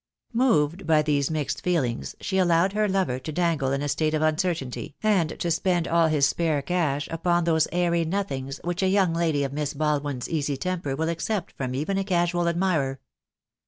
Moved by these mixed feelings she allowed her lover to dangle in a state of uncertainty, and to spend all his spare cash upon those airy nothings which a young lady of Miss Baldwin's easy temper will accept from even a casual admirer.